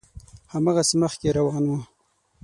هماغسې مخکې روان و.